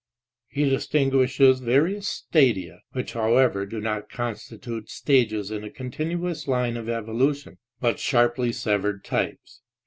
He dis tinguishes various "Stadia," which however do not con stitute stages in a continuous line of evolution, but sharply severed types.